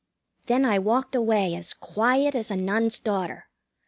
Then I walked away as quiet as a Nun's daughter.